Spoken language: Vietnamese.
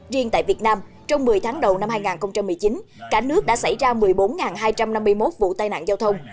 riêng tại việt nam trong một mươi tháng đầu năm hai nghìn một mươi chín cả nước đã xảy ra một mươi bốn hai trăm năm mươi một vụ tai nạn giao thông